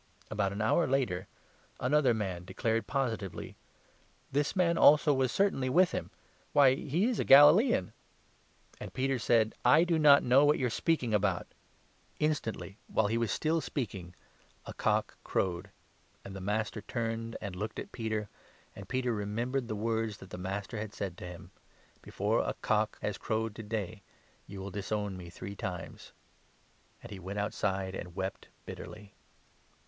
About an hour later another man declared positively : 59 " This man also was certainly with him. Why, he is a GalSlaean !" But Peter said : "I do not know what you are speaking 60 about." LUKE, 22 23. 157 Instantly, while he was still speaking, a cock crowed. And the 61 Master turned and looked at Peter ; and Peter remembered the words that the Master had said to him —" Before a cock has crowed to day, you will disown me three times" ; and he went 63 outside and wept bitterly.